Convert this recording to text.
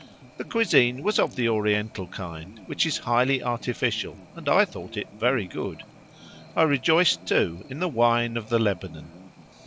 The cuisine was of the Oriental kind, which is highly artificial, and I thought it very good. I rejoiced too in the wine of the Lebanon.